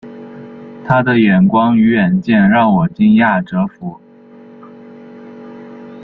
他的眼光与远见让我惊讶折服